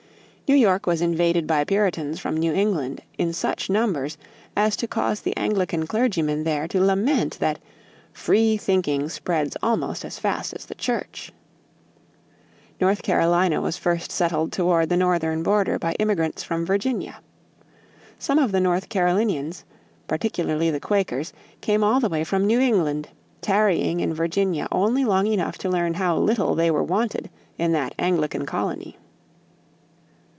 New York was invaded by Puritans from New England in such numbers as to cause the Anglican clergymen there to lament that "free thinking spreads almost as fast as the Church." North Carolina was first settled toward the northern border by immigrants from Virginia. Some of the North Carolinians, particularly the Quakers, came all the way from New England, tarrying in Virginia only long enough to learn how little they were wanted in that Anglican colony.